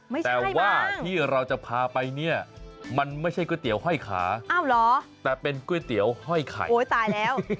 แต่ว่าที่เราจะพาไปเนี่ยมันไม่ใช่ก๋วยเตี๋ยวห้อยขาเหรอแต่เป็นก๋วยเตี๋ยวห้อยไข่โอ้ยตายแล้ว